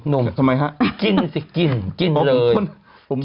ทำไมฮะกินสิกินครบอมพ่น